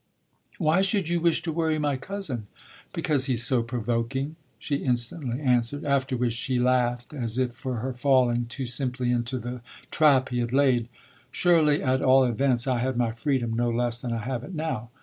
"Why should you wish to worry my cousin?" "Because he's so provoking!" she instantly answered; after which she laughed as if for her falling too simply into the trap he had laid. "Surely, at all events, I had my freedom no less than I have it now.